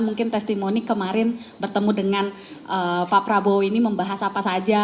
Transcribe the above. mungkin testimoni kemarin bertemu dengan pak prabowo ini membahas apa saja